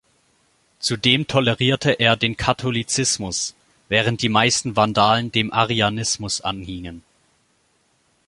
Zudem tolerierte er den Katholizismus, während die meisten Vandalen dem Arianismus anhingen.